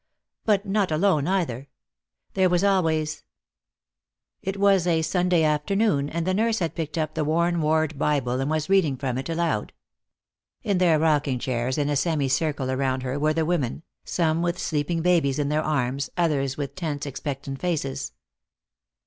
But not alone, either; there was always It was a Sunday afternoon, and the nurse had picked up the worn ward Bible and was reading from it, aloud. In their rocking chairs in a semi circle around her were the women, some with sleeping babies in their arms, others with tense, expectant faces.